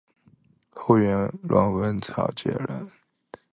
后由阮文藻接任。